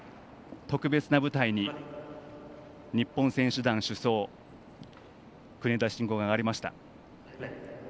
特別な舞台に日本選手団主将国枝があがりました。